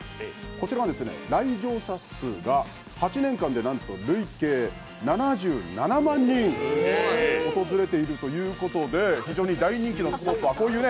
こちらは来場者数は８年間で累計、７７万人、訪れているということで、大人気のスポットでございます。